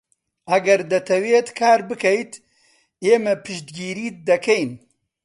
ئەگەر دەتەوێت کار بکەیت، ئێمە پشتگیریت دەکەین.